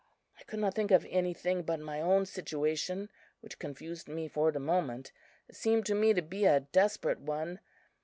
"I could not think of anything but my own situation, which confused me for the moment. It seemed to me to be a desperate one.